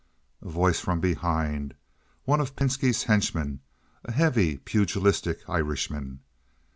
A Voice from Behind (one of Pinski's henchmen—a heavy, pugilistic Irishman).